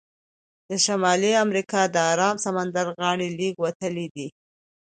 د شمالي امریکا د ارام سمندر غاړې لږې وتلې دي.